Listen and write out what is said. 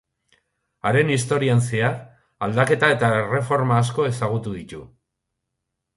Haren historian zehar aldaketa eta erreforma asko ezagutu ditu.